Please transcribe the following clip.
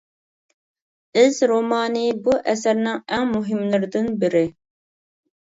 «ئىز» رومانى بۇ ئەسەرنىڭ ئەڭ مۇھىملىرىدىن بىرى.